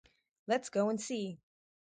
Let's go and see.